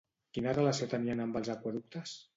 Quina relació tenien amb els aqüeductes?